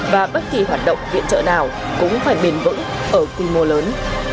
và bất kỳ hoạt động viện trợ nào cũng phải bền vững ở quy mô lớn